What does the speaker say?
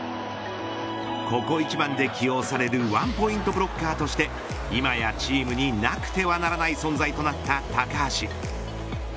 ここ一番で起用されるワンポイントブロッカーとして今やチームに、なくてはならない存在となった高橋。